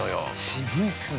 ◆渋いっすね。